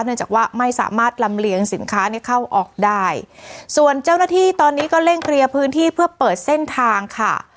เนื่องจากว่าไม่สามารถลำเลียงสินค้าเนี่ยเข้าออกได้ส่วนเจ้าหน้าที่ตอนนี้ก็เร่งเคลียร์พื้นที่เพื่อเปิดเส้นทางค่ะ